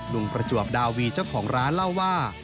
ประจวบดาวีเจ้าของร้านเล่าว่า